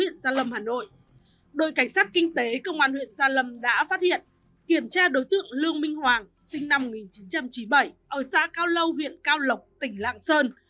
cảnh sát kinh tế công an huyện gia lâm đã phát hiện kiểm tra đối tượng lương minh hoàng sinh năm một nghìn chín trăm chín mươi bảy ở xã cao lâu huyện cao lộc tỉnh lạng sơn